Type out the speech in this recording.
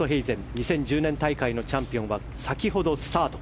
２０１０年大会のチャンピオンは先ほどスタート。